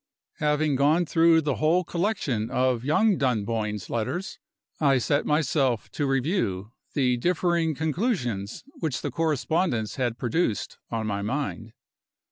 Having gone through the whole collection of young Dunboyne's letters, I set myself to review the differing conclusions which the correspondence had produced on my mind.